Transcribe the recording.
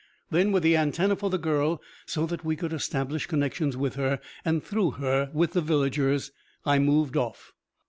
Then, with the antenna for the girl, so that we could establish connections with her, and through her, with the villagers, I moved off.